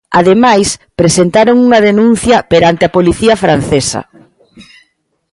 Ademais, presentaron unha denuncia perante a policía francesa.